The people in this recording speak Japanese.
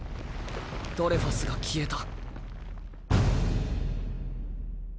ドレファスが消えた。